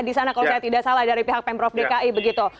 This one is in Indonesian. di sana kalau saya tidak salah dari pihak pemprov dki begitu